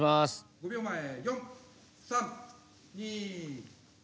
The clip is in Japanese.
５秒前４３２。